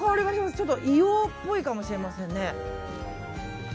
ちょっと硫黄っぽいかもしれないですね。